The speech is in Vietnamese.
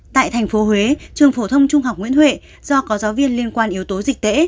tại thành phố huế trường phổ thông trung học nguyễn huệ do có giáo viên liên quan yếu tố dịch tễ